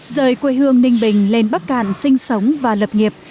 rời quê hương ninh bình lên bắc cạn sinh sống và lập nghiệp